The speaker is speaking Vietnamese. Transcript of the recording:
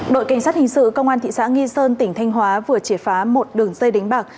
đội cảnh sát hình sự công an thị xã nghi sơn tỉnh thanh hóa vừa triệt phá một đường dây đánh bạc